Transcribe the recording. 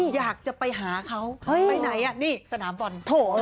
อยากจะไปหาเขาไปไหนอ่ะนี่สนามบอล